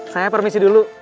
saya permisi dulu